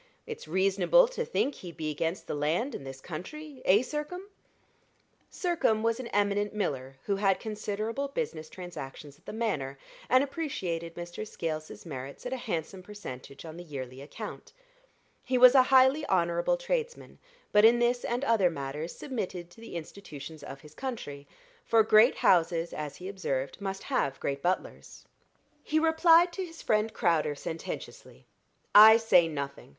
"It's reasonable to think he'd be against the land and this country eh, Sircome?" Sircome was an eminent miller who had considerable business transactions at the Manor, and appreciated Mr. Scales's merits at a handsome percentage on the yearly account. He was a highly honorable tradesman, but in this and in other matters submitted to the institutions of his country; for great houses, as he observed, must have great butlers. He replied to his friend Crowder sententiously. "I say nothing.